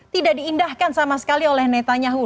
tidak diindahkan sama sekali oleh netanyahu